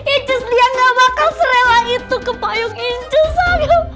incus dia nggak bakal serela itu ke payung incus amalia